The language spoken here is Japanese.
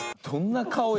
どんな顔。